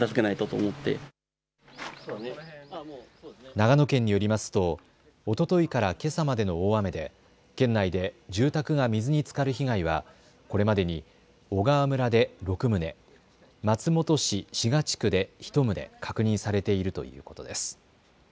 長野県によりますとおとといからけさまでの大雨で県内で住宅が水につかる被害はこれまでに小川村で６棟、松本市四賀地区で１棟確認されているということです。